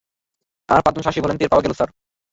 আরও পাঁচজন সাহসী ভলান্টিয়ার পাওয়া গেল, স্যার।